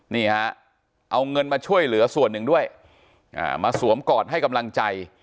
นี่ฮะเอาเงินมาช่วยเหลือส่วนหนึ่งด้วยมาสวมกอดให้กำลังใจ